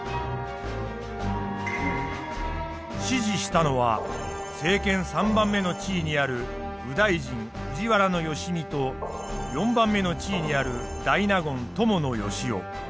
指示したのは政権３番目の地位にある右大臣藤原良相と４番目の地位にある大納言伴善男。